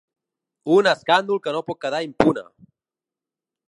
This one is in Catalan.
Un escàndol que no pot quedar impune!